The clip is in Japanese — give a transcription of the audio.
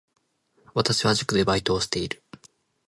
私は塾でバイトをしている